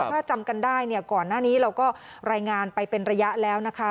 ถ้าจำกันได้เนี่ยก่อนหน้านี้เราก็รายงานไปเป็นระยะแล้วนะคะ